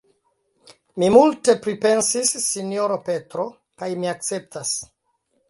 Mi multe pripensis, sinjoro Petro; kaj mi akceptas.